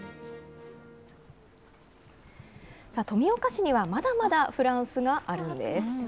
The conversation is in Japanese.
富岡市にはまだまだフランスがあるんです。